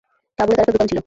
কাবুলে তার একটা দোকান ছিলো।